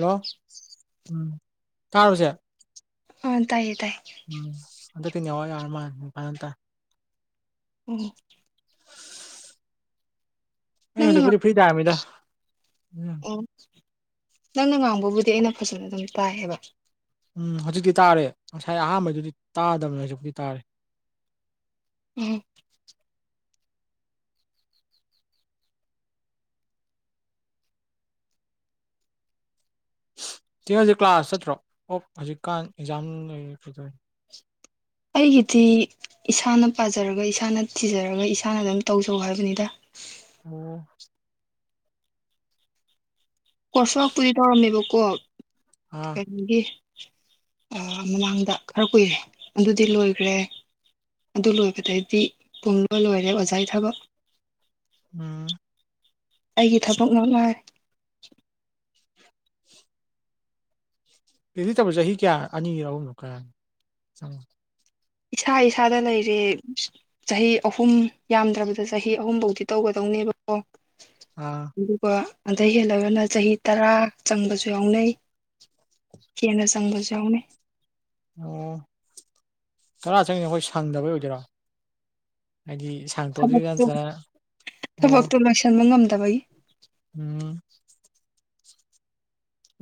Hello ꯎꯝ ꯀꯥꯁꯦ ꯑ ꯇꯥꯏꯌꯦ ꯇꯥꯏꯌꯦꯦ ꯎꯝ ꯑꯗ ꯊ ꯌꯥꯋꯥ ꯑꯔꯃꯄꯥꯟ ꯎꯝ ꯑꯩꯅ ꯅꯪꯅ ꯍꯧꯖꯤꯛꯄꯨꯗꯤ ꯉꯥꯡ ꯐ꯭ꯔꯤ ꯇꯥꯔꯝꯃꯤꯗ ꯎꯝ ꯑꯣ ꯅꯪꯅ ꯉꯥꯡꯕꯕꯨꯗꯤ ꯑꯩꯅ ꯐꯖꯅ ꯑꯗꯨꯝ ꯇꯥꯏꯌꯦꯕ ꯎꯝ ꯍꯧꯖꯤꯛꯇꯤ ꯇꯥꯔꯦ ꯉꯁꯥꯏ ꯑꯍꯥꯟꯕꯩꯗꯨꯗꯤ ꯇꯥꯗꯕꯅꯦ ꯍꯧꯖꯤꯛꯄꯤ ꯇꯥꯔꯦ ꯎꯝ ꯆꯦꯡ ꯍꯧꯖꯤꯛ ꯀ꯭ꯂꯥꯁ ꯆꯠꯇ꯭ꯔꯣ ꯑꯣ ꯍꯧꯖꯤꯛꯀꯥꯟ ꯑꯦꯛꯖꯥꯝ ꯂꯩ ꯐꯗꯣꯏꯅꯤ ꯑꯩꯒꯤꯗꯤ ꯏꯁꯥꯅ ꯄꯥꯖꯔꯒ ꯏꯁꯥꯅ ꯊꯤꯖꯔꯒ ꯏꯁꯥꯅ ꯑꯗꯨꯝ ꯇꯧꯖꯧ ꯍꯥꯏꯕꯅꯤꯗ ꯑꯣ ꯀꯁꯥꯛ ꯄꯨꯗꯤ ꯇꯧꯔꯝꯃꯦꯕ ꯀꯣ ꯑꯣ ꯃꯃꯥꯡꯗ ꯈꯔ ꯀꯨꯏꯔꯦ ꯑꯗꯨꯗꯤ ꯂꯣꯏꯈ꯭ꯔꯦ ꯑꯗꯨ ꯂꯣꯏꯕꯗꯩꯗꯤ ꯄꯨꯡꯂꯣꯏ ꯂꯣꯏꯔꯦ ꯑꯣꯖꯥꯒꯤ ꯊꯕꯛ ꯎꯝ ꯑꯩꯒꯤ ꯊꯕꯛ ꯉꯥꯏ ꯄꯗꯤ ꯇꯧ ꯆꯍꯤ ꯀꯌꯥ ꯑꯅꯤ ꯑꯍꯨꯝꯅꯣ ꯀꯌꯥꯅꯣ ꯆꯪꯉ ꯏꯁꯥ ꯏꯁꯥꯗ ꯂꯩꯔꯦ ꯆꯍꯤ ꯑꯍꯨꯝ ꯌꯥꯝꯗ꯭ꯔꯕꯗ ꯆꯍꯤ ꯑꯍꯨꯝꯐꯧꯗꯤ ꯇꯧꯒꯗꯧꯅꯦꯕꯀꯣ ꯑ ꯑꯗꯨꯒ ꯑꯗꯩ ꯍꯦꯜꯂꯒꯅ ꯆꯍꯤ ꯇꯔꯥ ꯆꯪꯕꯁꯨ ꯌꯥꯎꯅꯩ ꯀꯅ ꯆꯪꯕꯁꯨꯎꯅꯦ ꯑꯣ ꯇꯔꯥ ꯆꯪꯅꯤ ꯑꯩꯈꯣꯏ ꯁꯪꯗꯕꯩ ꯑꯣꯏꯗꯣꯏꯔꯣ ꯍꯥꯏꯗꯤ ꯁ ꯇꯣ ꯊꯕꯛꯇꯨ ꯀꯁ ꯑꯣ ꯆꯟꯕ ꯉꯝꯗꯕꯩ ꯎꯝ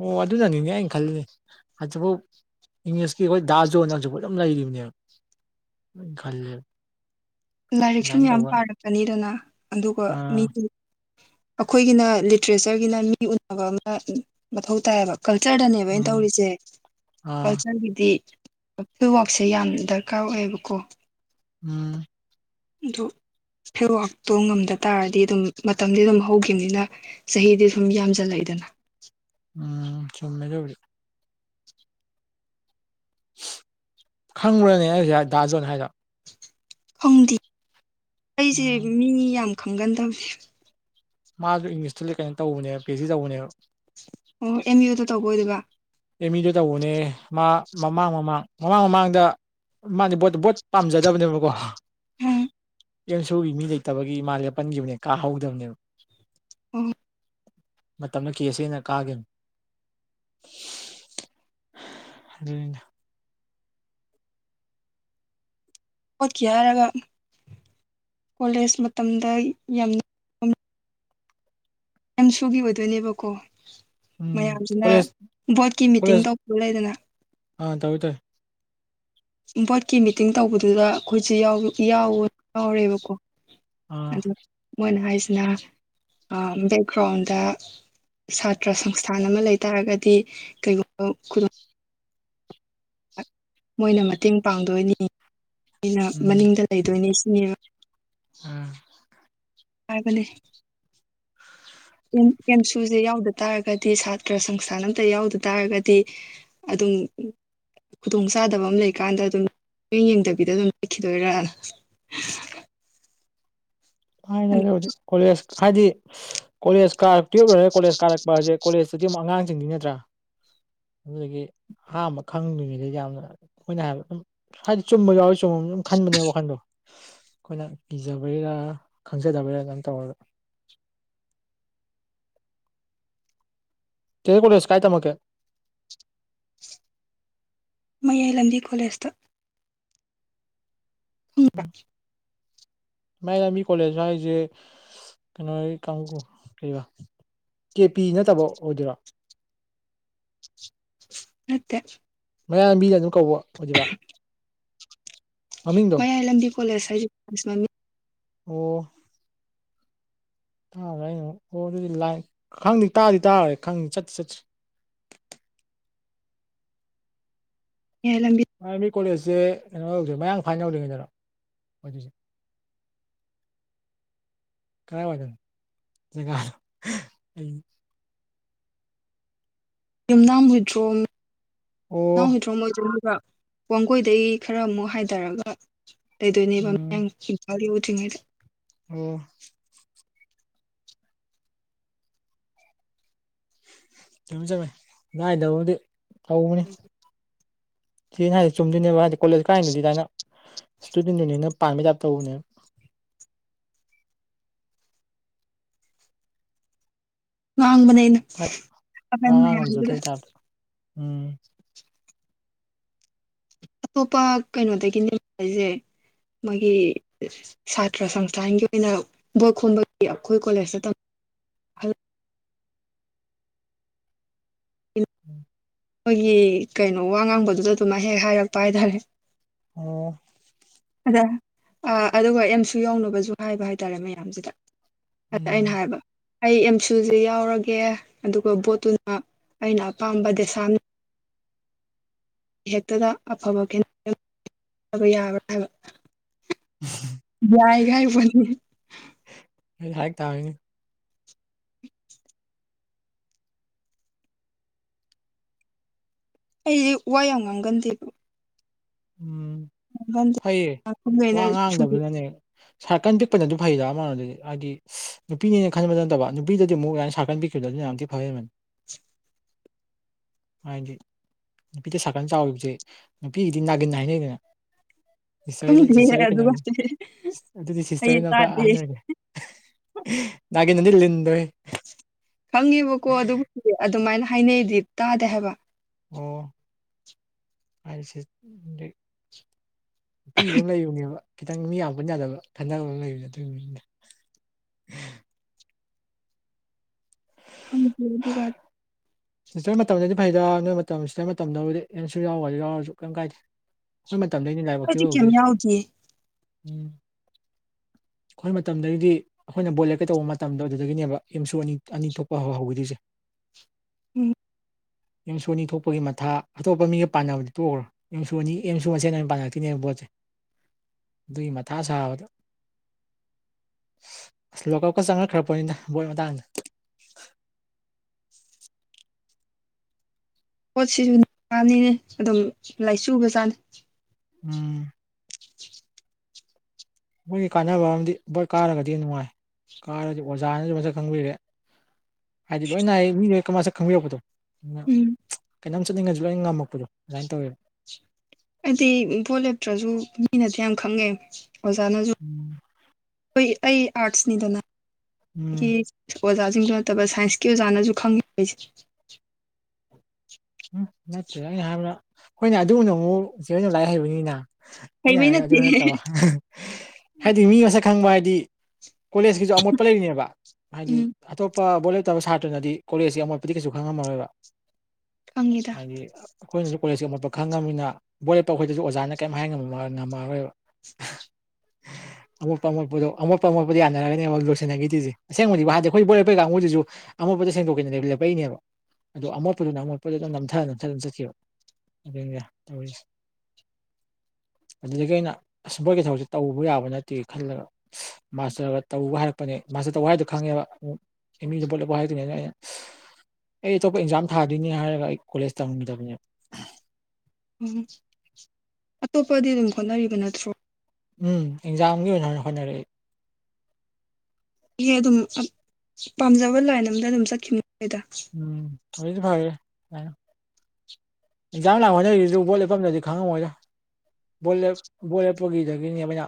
ꯑꯣ ꯑꯗꯨꯅꯅꯤꯅꯦ ꯑꯩꯅ ꯈꯜꯂꯤꯅꯦ ꯍꯧꯖꯤꯐꯥꯎ ꯏꯪꯂꯤꯁꯀꯤ ꯑꯩꯈꯣꯏ ꯗꯥꯖꯣꯟ ꯅꯪꯁꯨ ꯑꯗꯨꯝ ꯂꯩꯔꯤꯕꯅꯦꯕ ꯑꯗꯨꯅ ꯈꯜꯂꯦꯕ ꯂꯥꯏꯔꯤꯛ ꯁꯨꯝ ꯑꯗꯨꯃꯥꯏꯅ ꯌꯥꯝ ꯇꯧꯕ ꯄꯥꯔꯛꯀꯅꯤꯗꯅ ꯑꯗꯨꯒ ꯑꯥ ꯃꯤꯒꯤ ꯑꯩꯈꯣꯏꯒꯤꯅ ꯂꯤꯇ꯭ꯔꯦꯆꯔꯒꯤꯅ ꯃꯤ ꯎꯟꯅꯅꯕ ꯑꯃ ꯃꯊꯧ ꯇꯥꯏꯌꯦꯕ ꯀꯜꯆꯔꯗꯅꯦꯕ ꯑꯩꯅ ꯎꯝ ꯇꯧꯔꯤꯁꯦ ꯑꯥ ꯀꯜꯆꯔꯒꯤꯗꯤ ꯐꯤ꯫ꯋꯥꯛꯁꯦ ꯌꯥꯝ ꯗꯔꯀꯥꯔ ꯑꯣꯏꯌꯦꯕꯀꯣ ꯎꯝ ꯑꯗꯨ ꯐꯦꯔꯋꯥꯛꯇꯣ ꯉꯝꯗ ꯇꯥꯔꯗꯤ ꯑꯗꯨꯝ ꯃꯇꯝꯗꯤ ꯑꯗꯨꯝ ꯍꯧꯈꯤꯕꯅꯤꯅ ꯆꯍꯤꯗꯤ ꯁꯨꯝ ꯌꯥꯝꯁꯜꯂꯛꯏꯗꯅ ꯎꯝ ꯆꯨꯝꯃꯦ ꯆꯧꯔ ꯈꯪꯕ꯭꯫ꯔꯅꯦ ꯑꯩꯁꯦ ꯗꯥꯖꯣꯟ ꯍꯥꯏꯅ ꯈꯪꯗꯦ ꯑꯩꯁꯦ ꯎꯝ ꯃꯤ ꯌꯥꯝ ꯈꯪꯒꯟꯗꯕꯅꯦ ꯃꯥꯁꯨ ꯏꯪꯂꯤꯁꯇ ꯂꯩ ꯀꯩꯅꯣ ꯇꯧꯕꯅꯦ ꯄꯤ ꯑꯩꯆ ꯁꯤ ꯇꯧꯕ꯫ꯅꯦꯕ ꯑꯣ ꯑꯦꯝ ꯌꯨꯗ ꯇꯧꯕꯣꯏ ꯑꯗꯨꯒꯒ ꯑꯦꯝ ꯏꯗ ꯇꯧꯕꯅꯦ ꯃꯥ ꯃꯃꯥꯡ ꯃꯃꯥꯡ ꯃꯃꯥꯡ ꯃꯃꯥꯡꯗ ꯃꯥꯅꯦ꯫ ꯕꯣꯠꯇ ꯕꯣꯠ ꯄꯥꯝꯖꯗꯕꯅꯦꯕꯀꯣ ꯎꯝ ꯑꯦꯝ ꯁꯨꯒꯤ ꯃꯤ ꯂꯩꯇꯕꯒꯤ ꯏꯃꯥ ꯂꯦꯞꯄꯟꯈꯤꯕꯅꯦ ꯀꯥꯍꯧ꯫ꯗꯕꯅꯦꯕ ꯎꯝ ꯃꯇꯝꯅ ꯀꯦꯁꯦꯅ ꯀꯥꯈꯤꯕꯅ ꯎ ꯑꯣꯣꯠꯀꯦ ꯍꯥꯏꯔꯒ ꯀꯣꯂꯦꯖ ꯃꯇꯝꯗ ꯌꯥꯝ ꯑꯦꯝ ꯁꯨꯒꯤ ꯑꯣꯏꯗꯣꯏꯅꯦꯕꯀꯣ ꯎꯝ ꯃꯌꯥꯝꯁꯤꯅ ꯀꯣꯂꯦꯖ ꯕꯣꯔꯠꯀꯤ ꯃꯤꯇꯤꯡ ꯇ ꯂꯩꯗꯅ ꯑ ꯇꯧ ꯇꯣꯏꯦ ꯕꯣꯔꯠꯀꯤ ꯃꯤꯇꯤꯡ ꯇꯧꯕꯗꯨꯗ ꯑꯩꯈꯣꯏꯁꯨꯦ ꯌꯥꯎꯔꯦꯕꯀꯣ ꯑꯥ ꯑ ꯃꯣꯏꯅ ꯍꯥꯏꯁꯤꯅ ꯕꯦꯛꯒ꯭ꯔꯥꯎꯟꯗ ꯁꯥꯇ꯭ꯔ ꯁꯪꯁꯊꯥꯟ ꯑꯃ ꯂꯩꯇꯥꯥꯔꯒꯗꯤ ꯀꯩꯒꯨꯝꯕ ꯈꯨ ꯃꯣꯏꯅ ꯃꯇꯦꯡ ꯄꯥꯡꯗꯣꯏꯅꯤ ꯑꯩꯅ ꯎꯝ ꯃꯅꯤꯡꯗ ꯂꯩꯗꯣꯏꯅꯤ ꯁꯤꯅꯦꯕ ꯎꯝ ꯍꯥꯏ꯫ꯕꯅꯦ ꯀꯦꯝꯁꯨꯁꯦ ꯌꯥꯎꯗ ꯇꯥꯔꯒꯗꯤ ꯁꯥꯇ꯭ꯔ ꯁꯪꯁꯊꯥꯟ ꯑꯝꯇ ꯌꯥꯎꯗ ꯇꯥꯔꯒꯗꯤ ꯑꯗꯨꯝ ꯈꯨꯗꯣꯡ ꯆꯥꯗꯕ ꯑꯃ ꯂꯩꯀꯥꯟꯗ ꯑꯗꯨꯝ ꯃꯤꯡ ꯌꯦꯡꯗꯕꯤꯗ ꯑꯗꯨꯝ ꯂꯩꯈꯤꯗꯣꯏꯔꯅ ꯍꯥꯏꯔꯗꯤ ꯀꯣꯂꯦꯖ ꯍꯥꯏꯗꯤ ꯀꯣꯂꯦꯖ ꯀꯥꯔꯛꯇ ꯀꯣꯂꯦꯖ ꯀꯥꯔꯛꯄ ꯍꯥꯏꯁꯦ ꯀꯣꯂꯦꯖ ꯑꯀꯤ ꯑꯃꯨꯛ ꯑꯉꯥꯡꯁꯤꯡꯗꯤ ꯅꯠꯇ꯭ꯔꯥ ꯑꯗꯨꯗꯒꯤ ꯑꯍꯥꯟꯕ ꯈꯪꯗ꯭ꯔꯤꯉꯩꯗꯩ ꯌꯥꯝꯅ ꯑꯩꯈꯣꯏꯅ ꯍꯥꯏꯕ ꯑꯗꯨꯝ ꯍꯥꯏꯗꯤ ꯆꯨꯝꯕ ꯌꯥꯎꯋ ꯆꯨꯝꯕ ꯑꯗꯨꯝ ꯈꯟꯕꯅꯦꯕ ꯋꯥꯈꯟꯗꯣ ꯑꯩꯈꯣꯏꯅ ꯀꯤꯖꯕꯩꯔꯥ ꯈꯪꯖꯗꯕꯩꯔꯥ ꯑꯗꯨꯝ ꯇꯧꯔꯒ ꯇꯦꯣꯣꯏꯁ ꯀꯥꯏ ꯇꯃꯦ ꯃꯌꯥꯏ ꯂꯝꯕꯤ ꯀꯣꯂꯦꯖꯇ ꯍꯗ ꯃꯥꯏꯅ ꯃꯤ ꯀꯣꯂꯦꯖ ꯍꯥꯏꯁꯦ ꯀꯩꯅꯣ ꯀꯥꯡ ꯀꯕ ꯀꯦ ꯄꯤ ꯅꯠꯇꯕ ꯑꯣꯏꯗꯣꯏꯔꯣ ꯃꯠꯇꯦ ꯃꯌꯥꯝꯕꯤꯅ ꯑꯗꯨꯝ ꯀꯧꯕ ꯍꯧꯖꯤꯕꯥ ꯃꯌꯥꯏ ꯂꯝꯕꯤ ꯀꯣꯂꯦꯁ ꯍꯥꯏ ꯑꯣ ꯇꯥꯈ꯭ꯔꯦ ꯑꯩꯅ ꯑꯣ ꯑꯗꯨꯗꯤ ꯂꯥꯏ ꯈꯪꯗꯤ ꯇꯥꯗꯤ ꯇꯥꯔꯦ ꯈꯪ ꯆꯠꯇꯁꯤ ꯆꯠꯠꯇꯁꯤ ꯍ ꯂꯝꯕꯤ ꯑ ꯃꯤ ꯀꯣꯂꯦꯖꯁꯦ ꯀꯩꯅꯣ ꯍꯧꯁꯦ ꯃꯌꯥꯡ ꯐꯥꯏꯟ ꯍꯧꯧꯗꯔꯤꯉꯩꯗꯔ ꯑꯗꯨꯁꯦ ꯈꯔ꯫ꯒꯝ ꯆꯒꯥ ꯑꯩ ꯌꯨꯝꯅꯥꯝ ꯍꯨꯏꯗ꯭ꯔꯣꯝ ꯌꯨꯝꯅꯥꯝ ꯑꯣ ꯍꯨꯏꯗ꯭ꯔꯣꯝ ꯑꯣꯏꯖꯕ꯭ꯔ ꯋꯥꯡꯒꯣꯏꯗꯩ ꯈꯔ ꯑꯃꯨꯛ ꯍꯥꯏꯊꯔꯒ ꯂꯩꯗꯣꯏꯅꯦꯕ ꯎꯝ ꯃꯡ ꯏꯝꯐꯥꯜ ꯌꯧꯗ꯭ꯔꯤꯉꯩꯗ ꯑꯣ ꯌꯥꯝ꯫ ꯆꯝꯃꯦ ꯅꯥꯏꯗꯕꯕꯨꯗꯤ ꯇꯅꯤ ꯁꯤꯅ ꯍꯥꯏꯗꯤ ꯆꯨꯝꯗꯣꯏꯕ ꯍꯥꯏꯗꯤ ꯀꯣꯂꯦꯖ ꯀꯥꯏꯅꯗꯨ ꯑꯗꯨꯥꯏꯅ ꯁ꯭ꯇꯨꯗꯦꯟ ꯌꯨꯅꯤꯌꯟꯟꯅ ꯄꯝꯃꯤꯩꯥꯕ ꯇꯧꯕꯅꯦ ꯉꯥꯡꯕꯅꯦ ꯐꯠ ꯋꯥ ꯑꯍꯟ ꯉꯥꯡ ꯃꯌꯥꯝꯗꯨꯗ ꯉꯝꯖꯗꯕ ꯇꯥꯗꯔ‌ꯣ ꯎꯝ ꯑꯇꯣꯞꯄ ꯀꯩꯅꯣꯗꯒꯤꯅꯦ ꯍꯥꯏꯁꯦ ꯃ‌ꯣꯏꯒꯤ ꯁꯥꯇ꯭ꯔ ꯁꯪꯁꯊꯥꯟꯒꯤ ꯑꯣꯏꯅ ꯕꯣꯏ ꯈꯣꯝꯕꯒꯤ ꯑꯩꯈꯣꯏ ꯀꯣꯂꯦꯖꯇ ꯇꯝ [inaudible] ꯑꯩꯈꯣꯏꯒꯤ ꯀꯩꯅꯣ ꯋꯥ ꯉꯥꯡꯕꯗꯨꯗ ꯑꯗꯨꯃ ꯍꯦꯛ ꯍꯥꯏꯔꯛꯄ ꯍꯥꯏꯇꯥꯔꯦ ꯑꯣ ꯑꯗ ꯑꯥ ꯑꯗꯨꯒ ꯑꯦꯝꯁꯨ ꯌꯧꯅꯕꯁꯨ ꯍꯥꯏꯕ ꯍꯥꯏꯇꯥꯔꯦ ꯃꯌꯥꯝꯁꯤꯗ ꯑꯗ ꯑꯩꯅ ꯎꯝ ꯍꯥꯏꯕ ꯑꯩ ꯑꯦꯝꯁꯨꯁꯦ ꯌꯥꯎꯔꯒꯦ ꯑꯗꯨꯒ ꯕꯣꯠꯇꯨꯅ ꯑꯩꯅ ꯑꯄꯥꯝꯕ ꯗꯦꯁꯥꯝ ꯍꯦꯛꯇꯗ ꯑꯐꯕ [unintelligible] ꯌꯥꯏ ꯍꯥꯏꯔꯤ ꯄ‌ꯣꯠꯅꯤ ꯑꯗꯨꯗꯤ ꯍꯥꯏ ꯇꯕꯅꯤ ꯑꯩꯗꯤ ꯋꯥ ꯌꯥꯝ ꯉꯥꯡꯒꯟꯗꯦꯕ ꯎꯝ ꯐꯩꯌꯦ ꯉꯥꯡꯒꯟꯗꯦꯈꯩꯅ ꯋꯥ ꯉꯥꯡꯗꯕꯗꯨꯅꯅꯦ ꯁꯥꯔꯀꯟ ꯄꯤꯛꯄꯅꯗꯤ ꯐꯩꯗ ꯑꯃꯔ‌ꯣꯝꯗ ꯍꯥꯏꯗꯤ ꯅꯨꯄꯤꯅꯦꯅ ꯈꯟꯕ ꯅꯠꯇꯕ ꯅꯨꯄꯤꯗꯗꯤ ꯑꯃꯨꯛ ꯑꯗꯥꯏꯅ ꯁꯥꯔꯀꯟ ꯄꯤꯛꯈꯤꯕꯗ‌ꯣ ꯑꯗꯨꯅ ꯌꯥꯝ‌ ꯊꯤꯅ ꯐꯥꯕ ꯍ‌‌ꯦꯟꯕꯅꯤ [inaudible] ꯍꯥꯏꯗꯤ ꯅꯨꯄꯤꯗ ꯁꯥꯔꯀꯟ ꯆꯥꯎꯈꯤꯕꯁꯦ ꯅꯨꯄꯤ ꯗꯨꯗꯤ ꯅꯥꯒꯤꯟ ꯍꯥꯏꯅꯩꯗꯅ ꯁꯤꯁꯇꯔ ꯈꯪꯗꯦ ꯁꯤꯁꯇꯔ ꯑꯗꯨꯒ ꯀꯩꯅꯣꯅꯤ ꯑꯗꯨꯗꯤ ꯑꯩ ꯁꯤꯁꯇꯔꯅ ꯈꯔ ꯇꯥꯗꯦ ꯑꯍꯟ ꯑꯣꯏꯅꯤ ꯅꯤꯒꯤꯟ ꯍꯥꯏꯗꯤ ꯂꯤꯟꯗ‌ꯣꯍ‌ꯦ ꯈꯪꯉꯦꯕꯀꯣ ꯑꯗꯨꯕꯨꯗꯤ ꯑꯗꯨꯃꯥꯏꯅ ꯍꯥꯏꯅꯩꯗꯤ ꯇꯥꯗꯦ ꯍꯥꯏꯕ ꯑꯣ ꯑꯩꯁꯤ ꯅꯨꯄꯤꯒꯤꯗꯤ ꯑꯃ ꯂꯩꯕꯅꯦꯕ ꯈꯤꯇꯪ ꯃꯤ ꯌꯥꯝ ꯄꯨꯟ ꯌꯥꯗꯕ ꯈꯟꯅꯕ ꯑꯃ ꯂꯩꯕꯅꯦ ꯑꯗꯨꯏꯅꯤ ꯈꯪꯗ‌ꯦ ꯑꯗꯨꯒꯗꯤ ꯁꯤꯁꯇꯔ ꯃꯇꯝꯗꯗꯤ ꯐꯩꯗ ꯅꯣꯏ ꯃꯇꯝ ꯁꯤꯇꯔ ꯃꯇꯝꯗꯕꯨꯗꯤ ꯑꯦꯝꯁꯨ ꯌꯥꯎ ꯍꯥꯏꯗꯨ ꯌꯥꯎꯔꯁꯨ ꯀꯩꯝ ꯀꯥꯏꯗꯦ ꯑꯩꯈ‌ꯣꯏ ꯃꯇꯝꯗꯩꯅꯦ ꯂꯥꯏꯕꯛ ꯑꯩꯗꯤ ꯊꯤꯕ ꯀꯩꯝ ꯍꯧꯗꯣꯏꯁ‌ꯦ ꯌꯥꯎꯗꯦ ꯎꯝ ꯑꯩꯈꯣꯏ ꯃꯇꯝꯗꯩꯗꯤ ꯑꯩꯈꯣꯏꯅ ꯕꯣꯠ ꯂꯦꯝꯀ‌ꯦ ꯇꯧꯕ ꯃꯇꯝꯗꯣ ꯑꯗꯨꯗꯒꯤꯅꯦꯕ ꯑꯦꯝꯁꯨ ꯑꯅꯤ ꯑꯅꯤ ꯊꯣꯛꯄ ꯍꯧ ꯍꯧꯈꯔꯤꯁꯦ ꯎꯝ ꯑꯦꯝꯁꯨ ꯑꯅꯤ ꯊꯣꯛꯄꯒꯤ ꯃꯊꯥ ꯑꯇꯣꯞꯄ ꯃꯤꯒ ꯄꯥꯟꯅꯕꯗꯤ ꯇꯣꯛꯈ꯭ꯔꯣ ꯑꯦꯝ ꯁꯨ ꯑꯅꯤ ꯑꯦꯝ ꯁꯨ ꯃꯁ‌ꯦꯟ ꯑꯣꯏꯅ ꯄꯥꯟꯅꯔꯛꯇ‌ꯣꯏꯅꯦꯕ ꯕ‌ꯣꯠꯁꯦ ꯑꯗꯨꯏ ꯃꯊꯥ ꯁꯥꯕꯗ ꯑꯁ ꯂꯣꯀꯞꯀ ꯆꯪꯉꯛꯈ꯭ꯔꯄ‌ꯣꯠꯅꯤꯗ ꯕꯣꯠ ꯃꯇꯥꯡꯗ ꯕ‌ꯣꯠꯁꯤꯁꯨ ꯅꯤꯅꯦ ꯑꯗꯨꯝ ꯂꯥꯏꯆꯨꯕꯖꯥꯠꯅꯤ ꯎꯝ ꯃꯣꯏꯒꯤ ꯀꯥꯟꯅꯕ ꯑꯃꯗꯤ ꯕ‌ꯣꯠ ꯀꯥꯔꯒꯗꯤ ꯅꯨꯡꯉꯥꯏ ꯀꯥꯔꯗꯤ ꯑꯣꯖꯥꯅꯁꯨ ꯃꯁꯛ ꯈꯪꯕꯤꯔꯦ ꯍꯥꯏꯗꯤ ꯂꯣꯏꯅ ꯑꯩ ꯃꯤ ꯂ‌ꯣꯏ ꯃꯥꯁꯛ ꯈꯪꯕꯤꯔꯛꯄꯗꯣ ꯎꯝ ꯀꯩꯅꯣꯝ ꯆꯠꯅꯤꯡꯉꯁꯨ ꯂꯣꯏꯅ ꯉꯝꯃꯛꯄꯗꯣ ꯑꯗꯨꯃꯥꯏꯅ ꯇꯧꯋꯦꯕ ꯑꯩꯗꯤ ꯕꯣꯠ ꯂꯦꯞꯇ꯭ꯔꯁꯨ ꯃꯤꯅꯗꯤ ꯌꯥꯝ ꯈꯪꯉꯦ ꯑꯣꯖꯥꯅꯁꯨ ꯎꯝ ꯍꯣꯏ ꯑꯩ ꯑꯥꯔꯠꯁꯅꯤꯗꯅ ꯎꯝ ꯑꯩꯒꯤ ꯑꯣꯖꯥꯁꯤꯡꯗꯨ ꯅꯠꯇꯕ ꯁꯥꯏꯟꯁꯀꯤ ꯑꯣꯖꯥꯅꯁꯨ ꯈꯪꯉꯤ ꯑꯩꯁꯦ ꯎꯝ ꯅꯠꯇꯦ ꯑꯩꯅ ꯍꯥꯏꯕꯅꯥ ꯑꯩꯈꯣꯏꯅ ꯑꯗꯨꯨꯅ ꯑꯃꯨꯛ ꯏꯆꯦ ꯍ‌ꯣꯏꯅ ꯂꯥꯏꯔꯤꯛ ꯍꯩꯕꯩꯅꯤꯗꯅ ꯑꯩꯅ ꯍꯩꯕꯩ ꯍꯥꯏꯕꯅ ꯅꯠꯇꯦ ꯑꯗꯨ ꯅꯠꯇꯕ ꯍꯥꯏꯗꯤ ꯃꯤ ꯃꯁꯛ ꯈꯪꯕ ꯍꯥꯏꯗꯤ ꯀꯣꯂꯦꯖꯀꯤꯁꯨ ꯑꯃꯣꯠꯄ ꯂꯩꯔꯤꯅꯦꯕ ꯍꯥꯏꯗꯤ ꯎꯝ ꯑꯇꯣꯞꯄ ꯕꯣꯠ ꯂꯦꯞꯇꯕ ꯁꯥꯇ꯭ꯔꯅꯗꯤ ꯀꯣꯂꯦꯖꯀꯤ ꯑꯃꯣꯠꯄꯗꯤ ꯀꯩꯁꯨ ꯈꯪꯉꯝꯃꯔꯣꯏꯕ ꯈꯪꯉꯤꯗ ꯍꯥꯏꯗꯤ ꯑꯩꯈꯣꯏꯅꯁꯨ ꯀꯣꯂꯦꯖꯀꯤ ꯑꯃꯣꯠꯄ ꯈꯪꯉꯕꯅꯤꯅ ꯕꯣꯠ ꯂ‌ꯦꯞꯄ ꯑꯩꯈꯣꯏꯗꯗꯤ ꯑꯣꯖꯥꯅ ꯀꯔꯤꯝ ꯍꯥꯏꯕ ꯉꯝꯃꯔꯣꯏꯕ [inaudible] ꯑꯃꯣꯠꯄ ꯑꯃꯣꯠꯄꯗꯣ ꯑꯃꯣꯠ ꯑꯃꯣꯄꯗ ꯌꯥꯅꯔꯒꯅ ꯑꯃꯛ ꯂꯣꯏꯁꯤꯟꯅꯈꯤꯔꯤꯁꯦ ꯑꯁꯦꯡꯕꯗꯤꯍꯥꯟꯗꯤ ꯑꯩꯈꯣꯏ ꯕꯣꯔꯦꯄꯩ ꯀꯥꯡꯕꯨꯁꯤꯁꯨ ꯑꯃꯣꯄꯗ ꯁꯦꯡꯗꯣꯛꯀꯦꯅꯦꯕ ꯂꯦꯞꯄꯛꯏꯅꯦꯕ ꯑꯗꯣ ꯑꯃꯣꯠꯄꯗꯨꯅ ꯑꯃꯣꯠꯄ ꯄꯣꯗꯛꯇꯣ ꯅꯝꯊ ꯅꯝꯊ ꯑꯗꯨꯅ ꯆꯠꯈꯤꯕ ꯑꯗꯨꯒ ꯇꯧꯔꯤꯁꯦ [inaudible] ꯑꯗꯨꯗꯒꯤ ꯑꯩꯅ ꯑꯁꯕꯒꯤ ꯊꯕꯛꯁꯦ ꯇꯧꯕ ꯌꯥꯕ ꯅꯠꯇꯦ ꯈꯜꯂꯒ ꯃꯥꯁꯇꯔꯒ ꯇꯧꯕ ꯍꯥꯏꯔꯛꯄꯅꯦ ꯃꯥꯁꯇꯔ ꯇꯧꯕ ꯍꯥꯏꯗꯨꯣ ꯈꯪꯉꯦꯕ ꯃꯤꯗꯨ ꯄꯣꯠꯂꯄ ꯍꯥꯏꯗꯣꯏꯅꯦꯅꯦ ꯑꯩꯅ ꯑꯩ ꯑꯇꯣꯞꯄ ꯑꯦꯟꯖꯥꯝ ꯊꯥꯗꯣꯏꯅꯦ ꯍꯥꯏꯔ ꯀꯂꯦꯖ ꯇꯝ ꯇꯕ ꯎꯝ ꯑꯇꯣꯞꯄꯗꯤ ꯑꯗꯨꯝ ꯍꯣꯠꯅꯔꯤꯕ ꯅꯠꯇ꯭ꯔꯣ ꯎꯝ ꯑꯦꯛꯖꯥꯝꯒꯤ ꯑꯣꯏꯅ ꯍꯣꯠꯅꯔꯛꯏ ꯑꯩ ꯑꯗꯨꯝ ꯄꯥꯝꯖꯕ ꯂꯥꯏꯟ ꯑꯝꯗ ꯑꯗꯨꯝ ꯆꯠꯈꯤꯕꯅꯤ ꯑꯗꯨꯗ ꯎꯝ ꯊꯣꯏꯗꯤ ꯐꯔꯦ ꯀꯥꯏ ꯑꯦꯛꯖꯥꯥꯝ ꯍꯥꯏꯁꯤꯁꯨ ꯕꯣꯠ ꯂꯦꯞꯄꯐꯝꯗꯗꯤ ꯈꯪꯉꯃꯣꯏꯗꯥ ꯕꯣꯠ ꯂꯦꯞ ꯕꯣꯠ ꯂꯦꯞꯄꯒꯤꯗꯒꯤꯅꯦꯕ ꯑꯩꯅ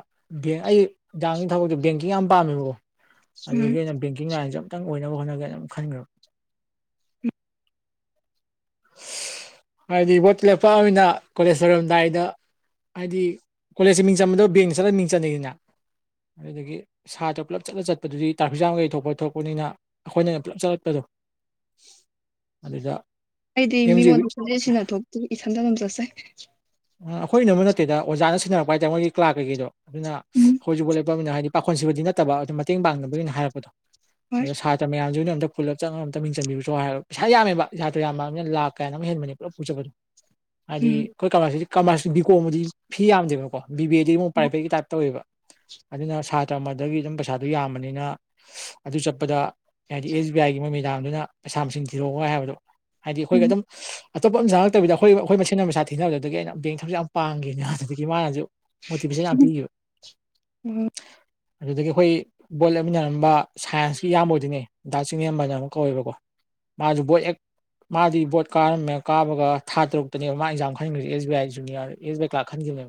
ꯑꯩ ꯑꯦꯛꯖꯥꯝꯒꯤ ꯊꯕꯛꯇꯣ ꯕꯦꯡꯀꯤꯡ ꯌꯥꯝ ꯄꯥꯝꯃꯦꯕꯀꯣ ꯎꯝ ꯑꯗꯨꯒꯤ ꯑꯩꯅ ꯕꯦꯡꯀꯤꯡ ꯂꯥꯏꯟꯁꯦ ꯈꯤꯇꯪ ꯑꯣꯏꯅꯕ ꯍꯣꯠꯅꯒꯦꯅ ꯑꯗꯨ ꯈꯟꯈ꯭ꯔꯕ ꯍꯥꯏꯗꯤ ꯕꯣꯠ ꯂꯦꯞꯄꯃꯤꯅ ꯀꯣꯂꯦꯖ ꯂꯣꯏꯔꯝꯗꯥꯏꯗ ꯍꯥꯏꯗꯤ ꯀꯣꯂꯦꯖꯁ ꯃꯤꯡ ꯆꯟꯕꯗ ꯕꯦꯡ ꯆꯠꯂ ꯃꯤꯡ ꯆꯩꯅꯤꯅ ꯑꯗꯨꯗꯒꯤ ꯁꯥꯇ꯭ꯔ ꯄꯨꯂꯞ ꯆꯠꯂ ꯆꯠꯄꯗꯨꯗꯤ ꯇꯔꯥꯐꯤꯛ ꯖꯥꯥꯝꯒꯩ ꯊꯣꯛꯄ ꯊꯣꯛꯄꯅꯤꯅ ꯑꯩꯈꯣꯏꯅ ꯄꯨꯂꯞ ꯆꯠꯂꯛꯄꯗꯣ ꯑꯗꯨꯗ ꯑꯩꯗꯤ ꯑꯦꯝ ꯖꯤ ꯃꯤꯉꯣꯟꯗ ꯁꯨꯛ ꯁꯤ ꯁꯤꯅ ꯊꯣꯛꯇ ꯏꯊꯟꯇ ꯑꯗꯨꯝ ꯆꯠꯆꯩ ꯑꯩꯈꯣꯏ ꯅ ꯑꯃ ꯅꯠꯇꯦꯗ ꯑꯣꯖꯥꯅ ꯁꯤꯟꯅꯔꯛꯄ ꯍꯥꯏꯇꯥꯔꯦ ꯃꯣꯏꯒꯤ ꯀ꯭ꯂꯥꯁ ꯀꯩꯀꯩꯗꯣ ꯑꯗꯨꯅ ꯎꯝ ꯍꯧꯖꯤꯛꯐ ꯅ ꯍꯥꯏꯗꯤ ꯄꯥꯈꯣꯟꯁꯤꯕꯗꯤ ꯅꯠꯇꯕ ꯑꯗꯨ ꯃꯇꯦꯡ ꯄꯥꯡꯅꯕꯅꯤꯅ ꯍꯥꯏꯔꯛꯄꯗꯣ ꯑ ꯍꯣꯏ ꯁꯥꯇ꯭ꯔ ꯃꯌꯥꯝꯁꯨꯅ ꯑꯝꯇ ꯄꯨꯜꯂꯞ ꯆꯪꯉ ꯑꯃꯝ ꯃꯤꯡ ꯆꯟꯕꯤꯔꯁꯨ ꯍꯥꯏꯔ ꯄꯩꯁꯥ ꯌꯥꯝꯃꯦꯕ ꯁꯥꯇ꯭ꯔ ꯌꯥꯝꯃꯛꯑꯃꯤꯅ ꯂꯥꯛ ꯀꯌꯥꯅꯣ ꯑꯃ ꯍꯦꯟꯕꯅꯦ ꯄꯨꯂꯞ ꯄꯨꯆꯠꯕꯗꯣ ꯍꯥꯏꯗꯤ ꯎꯝ ꯑꯩꯈꯣꯏ ꯀꯃꯔꯁ ꯀꯃꯔꯁ ꯕꯤꯀꯣꯝ ꯗꯤ ꯐꯤ ꯌꯥꯝꯗꯦꯕꯀꯣ ꯕꯤ ꯕꯤ ꯑꯦꯗꯤ ꯑꯃꯨꯛ ꯄ꯭ꯔꯥꯏꯚꯦꯠꯀꯤ ꯇꯥꯏꯞ ꯇꯧꯋꯦꯕ ꯑꯗꯨꯅ ꯁꯥꯇ꯭ꯔ ꯑꯃꯗꯒꯤ ꯑꯗꯨꯝ ꯄꯩꯁꯥꯗꯨ ꯌꯥꯝꯕꯅꯤꯅ ꯑꯗꯨ ꯆꯠꯄꯗ ꯍꯥꯏꯗꯤ ꯑꯦꯁ ꯕꯤ ꯑꯥꯏꯒꯤ ꯃꯣꯏ ꯃꯦꯗꯥꯝꯗꯨꯅ ꯄꯩꯁꯥ ꯃꯁꯤꯡ ꯊꯤꯔꯛꯑꯣꯒ ꯍꯥꯏꯕꯗꯣ ꯍꯥꯏꯗꯤ ꯑꯩꯈꯣꯏꯒ ꯎꯝ ꯑꯗꯨꯝ ꯑꯇꯣꯞꯄ ꯑꯃ ꯆꯪꯉꯛꯇꯕꯤꯗ ꯑꯩꯈꯣꯏ ꯑꯩꯈꯣꯏ ꯃꯁꯦꯜ ꯄꯩꯁꯥ ꯊꯤꯅꯕꯗꯣ ꯑꯩꯅ ꯕꯦꯡ ꯊꯕꯛꯁꯦ ꯌꯥꯝ ꯄꯥꯝꯈꯤꯕꯅꯦ ꯑꯗꯨꯗꯒꯤ ꯃꯥꯅꯁꯨ ꯃꯣꯇꯤꯚꯦꯁꯟ ꯌꯥꯝ ꯄꯤꯈꯤꯕ ꯎꯝ ꯑꯗꯨꯗꯒꯤ ꯑꯩꯈꯣꯏ ꯕꯣꯠ ꯂꯦꯞ ꯃꯤꯟꯅꯔꯝꯕ ꯁꯥꯏꯟꯁꯀꯤ ꯏꯌꯥꯝꯕ ꯑꯣꯏꯗꯣꯏꯅꯦ ꯗꯥ ꯆꯤꯡꯂꯦꯝꯕꯅ ꯑꯃ ꯀꯧꯋꯦꯕꯀꯣ ꯃꯥꯁꯨꯨ ꯕꯣꯠ ꯍꯦꯛ ꯃꯥꯗꯤ ꯕꯣꯠ ꯀꯥꯔꯝꯃꯦ ꯀꯥꯕꯒ ꯊꯥ ꯇꯔꯨꯛꯇꯅꯦꯕ ꯃꯥ ꯑꯦꯛꯖꯥꯝ ꯈꯟꯈ꯭ꯔꯤꯁꯦ S B I junior S B I clerk ꯈꯟꯈꯤꯕꯅꯦ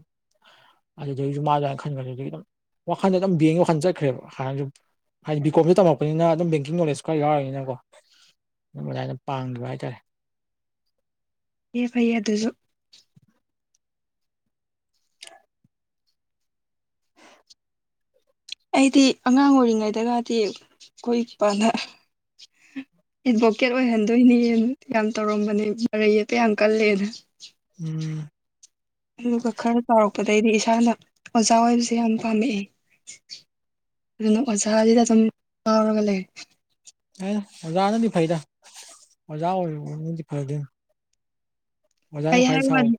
ꯑꯗꯨꯗꯒꯤꯁꯨ ꯃꯥꯁꯨ ꯑꯗꯨꯃꯥꯏꯅ ꯈꯟꯈ꯭ꯔꯦ ꯑꯗꯨꯗꯒꯤ ꯑꯗꯨꯝ ꯋꯥꯈꯟꯗ ꯑꯗꯨꯝ ꯕꯦꯡꯒꯤ ꯋꯥꯈꯟ ꯆꯠꯈ꯭ꯔꯦꯕ ꯍꯥꯟꯅꯁꯨ ꯍꯥꯏꯗꯤ ꯕꯤ ꯀꯣꯝ ꯁꯨ ꯇꯝꯃꯛꯄꯅꯤꯅ ꯑꯗꯨꯝ ꯕꯦꯡꯀꯤꯡ ꯅꯣꯂꯦꯖ ꯈꯔ ꯌꯥꯎꯔꯤꯕꯅꯤꯅꯀꯣ ꯑꯗꯨꯝ ꯑꯗꯨꯃꯥꯏꯅ ꯄꯥꯝꯈꯤꯕ ꯍꯥꯏꯇꯥꯔꯦ ꯐꯩꯌꯦ ꯐꯩꯌꯦ ꯑꯗꯨꯁꯨ ꯑꯩꯗꯤ ꯑꯉꯥꯡ ꯑꯣꯏꯔꯤꯉꯩꯗꯒꯗꯤ ꯑꯩꯈꯣꯏ ꯕꯥ ꯅ ꯑꯦꯠꯚꯣꯀꯦꯠ ꯑꯣꯏꯍꯟꯗꯣꯏꯅꯦ ꯌꯥꯝ ꯇꯧꯔꯝꯕꯅꯦ ꯃꯔꯩ ꯌꯦꯠꯄ ꯌꯥꯝ ꯀꯜꯂꯦꯅ ꯎꯝ ꯑꯗꯨꯒ ꯈꯔ ꯆꯥꯎꯔꯛꯄꯗꯒꯤꯗꯤ ꯏꯁꯥꯅ ꯑꯣꯖꯥ ꯑꯣꯏꯕꯁꯦ ꯌꯥꯝ ꯄꯥꯝꯃꯛꯑꯦ ꯑꯗꯨꯅ ꯑꯣꯖꯥꯁꯤꯗ ꯑꯗꯨꯝ ꯉꯥꯎꯔꯒ ꯂꯩꯔꯦ ꯍꯣꯏꯗ ꯑꯣꯖꯥꯅꯗꯤ ꯐꯩꯗ ꯑꯣꯖꯥ ꯑꯣꯏꯕꯅꯗꯤ ꯐꯗꯣꯏꯅꯤ ꯑꯣꯖꯥꯅ ꯐꯩ ꯈ꯭ꯋꯥꯏ ꯍꯥꯏꯕ ꯁꯥꯎ ꯋꯥꯅꯤ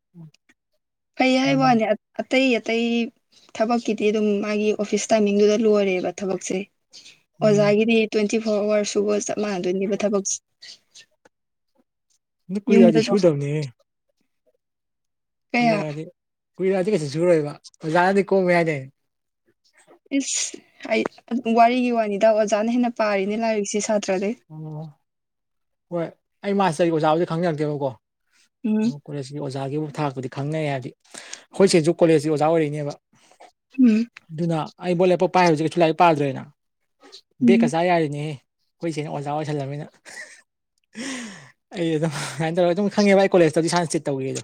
ꯐꯩ ꯍꯥꯏꯕ ꯎꯝ ꯋꯥꯅꯤ ꯑꯇꯩ ꯑꯇꯩ ꯊꯕꯛꯀꯤꯗꯤ ꯑꯗꯨꯝ ꯃꯥꯒꯤ ꯑꯣꯐꯤꯁ ꯇꯥꯏꯃꯤꯡꯗꯨꯗ ꯂꯣꯏꯔꯦꯕ ꯊꯕꯛꯁꯦ ꯎꯝ ꯑꯣꯖꯥꯒꯤꯗꯤ ꯇ꯭ꯋꯦꯟꯇꯤ ꯐꯣꯔ ꯑꯋꯥꯔ ꯁꯨꯕ ꯆꯞ ꯃꯥꯟꯅꯗꯣꯏꯅꯦꯕ ꯊꯕꯛꯁꯦ ꯑꯗꯣ ꯀꯨꯏꯔꯛ ꯑꯗꯤ ꯌꯨꯝꯗꯁꯨ ꯁꯨꯗꯕꯅꯤ ꯀꯌꯥ ꯀꯨꯏꯔꯛ ꯑꯗꯤ ꯀꯨꯏꯔꯗꯤ ꯀꯩꯁꯨ ꯁꯨꯔꯣꯏꯕ ꯑꯣꯖꯥꯅꯗꯤ ꯀꯣꯝꯃꯦ ꯍꯥꯏꯅꯦ ꯏꯁꯁ ꯑꯩ ꯋꯥꯔꯤꯒꯤ ꯋꯥꯅꯤꯗ ꯑꯣꯖꯥꯅ ꯍꯦꯟꯅ ꯄꯥꯔꯤꯅꯦ ꯂꯥꯏꯔꯤꯛꯁꯦ ꯁꯥꯇ꯭ꯔꯗꯩ ꯑꯣ ꯍꯣꯏ ꯑꯩ ꯃꯥꯁꯇꯔꯒꯤ ꯑꯣꯖꯥꯕꯨꯗꯤ ꯈꯪꯅꯔꯛꯇꯦꯕꯀꯣ ꯎꯝ ꯀꯣꯂꯦꯖꯀꯤ ꯑꯣꯖꯥꯒꯤꯕꯨ ꯊꯥꯛꯄꯨꯗꯤ ꯈꯪꯅꯩ ꯍꯥꯏꯗꯤ ꯑꯩꯈꯣꯏ ꯏꯆꯦꯁꯨ ꯀꯣꯂꯦꯖꯀꯤ ꯑꯣꯖꯥ ꯑꯣꯏꯔꯛꯏꯅꯦꯕ ꯎꯝ ꯑꯗꯨꯅ ꯑꯩ ꯕꯣꯠ ꯂꯦꯞꯄ ꯄꯥꯏ ꯍꯥꯏꯖꯤ ꯀꯩꯁꯨ ꯂꯥꯏꯔꯤꯛ ꯄꯥꯗ꯭ꯔꯦꯅ ꯎꯝ ꯕꯦꯛꯀ ꯆꯥ ꯌꯥꯔꯤꯅꯦꯍꯦ ꯑꯩꯈꯣꯏ ꯆꯦꯅ ꯑꯣꯖꯥ ꯑꯣꯏꯁꯜꯂꯃꯤꯅ ꯑꯩ ꯑꯗꯨꯝ ꯑꯗꯨꯨꯃꯥꯏꯅ ꯇꯧꯔꯒ ꯑꯗꯨꯝ ꯈꯪꯉꯦꯕ ꯑꯩ ꯀꯣꯂꯦꯖꯇꯗꯤ ꯏꯁꯥꯟꯅ ꯆꯤꯠ ꯇꯧꯈꯤ ꯑꯗꯣ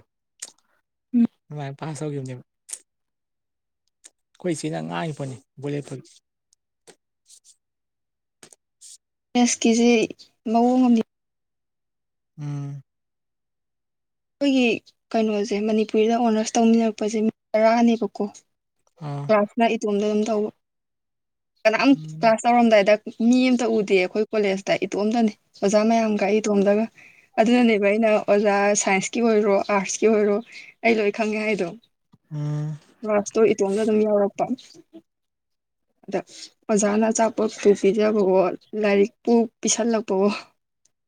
ꯎꯝ ꯑꯗꯨꯃꯥꯏ ꯄꯥꯁ ꯇꯧꯈꯤꯕꯅꯦꯕ ꯑꯩꯈꯣꯏ ꯏꯆꯦꯅ ꯉꯥꯡꯉꯤ ꯄꯣꯠꯅꯤ ꯕꯣꯠ ꯂꯦꯞꯄꯒꯤ ꯃꯦꯁꯀꯤꯁꯦ ꯃꯑꯣꯡ ꯑꯃꯅꯤ ꯎꯝ ꯑꯩꯈꯣꯏꯒꯤ ꯀꯩꯅꯣꯁꯦ ꯃꯅꯤꯄꯨꯔꯤꯗ ꯑꯣꯅꯔꯁ ꯇꯧꯃꯤꯟꯅꯔꯛꯄꯁꯦ ꯃꯤ ꯇꯔꯥꯅꯦꯕꯀꯣ ꯑꯥ ꯀ꯭ꯂꯥꯁꯅ ꯏꯇꯣꯝꯗ ꯑꯗꯨꯝ ꯇꯧꯕ ꯀꯅꯥꯝ ꯎꯝ ꯀ꯭ꯂꯥꯁ ꯇꯧꯔꯝꯗꯥꯏꯗ ꯃꯤ ꯑꯃꯇ ꯎꯗꯦ ꯑꯩꯈꯣꯏ ꯀꯣꯂꯦꯖꯇ ꯏꯇꯣꯝꯇꯅꯤ ꯑꯣꯖꯥ ꯃꯌꯥꯝꯒ ꯏꯇꯣꯝꯗꯒ ꯑꯗꯨꯅꯅꯦꯕ ꯑꯩꯅ ꯑꯣꯖꯥ ꯁꯥꯏꯟꯁ ꯀꯤ ꯑꯣꯏꯔꯣ ꯑꯥꯔꯠꯁꯀꯤ ꯑꯣꯏꯔꯣ ꯑꯩ ꯂꯣꯏ ꯈꯪꯉꯦ ꯍꯥꯏꯗꯣ ꯎꯝ ꯀꯂꯥꯁꯇꯣ ꯏꯇꯣꯝꯗ ꯑꯗꯨꯝ ꯌꯥꯎꯔꯛꯄ ꯑꯗ ꯑꯣꯖꯥꯅ ꯑꯆꯥꯄꯣꯠꯄꯨ ꯄꯤꯖꯕꯑꯣ ꯂꯥꯏꯔꯤꯛꯄꯨ ꯄꯤꯁꯜꯂꯛꯄꯑꯣ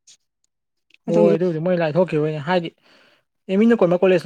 ꯊꯤ ꯍꯣꯏ ꯑꯗꯨꯗꯤ ꯃꯣꯏꯅ ꯂꯥꯏꯊꯣꯛꯈꯤꯕꯅꯦ ꯍꯥꯏꯗꯤ ꯑꯦꯝꯃꯤꯅ ꯀꯣꯟꯕ ꯀꯣꯂꯦꯖꯅꯤ